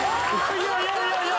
いやいやいやいや。